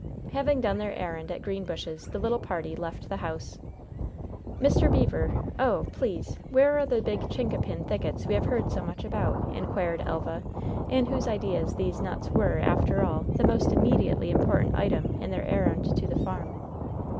Having done their errand at Greenbushes, the little party left the house. "Mr. Beever! Oh! please, where are the big chincapin thickets we have heard so much about?" inquired Elva, in whose ideas these nuts were, after all, the most immediately important item in their errand to the farm.